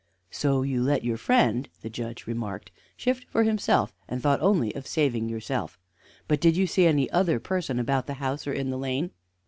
"So you let your friend," the Judge remarked, "shift for himself, and thought only of saving yourself. But did you see any other person about the house or in the lane?"